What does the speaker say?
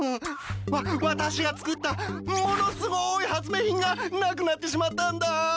わっ私が作ったものすごーい発明品がなくなってしまったんだ。